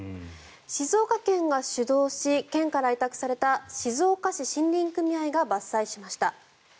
静岡県が主導し県から委託された静岡市森林組合が伐採しました。